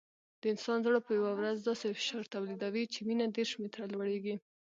د انسان زړه په یوه ورځ داسې فشار تولیدوي چې وینه دېرش متره لوړېږي.